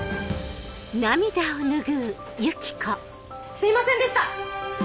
すいませんでした！